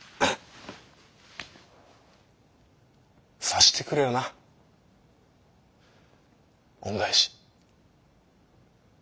さしてくれよな恩返し。